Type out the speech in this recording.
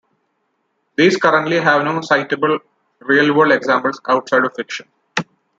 These currently have no citable real-world examples outside of fiction.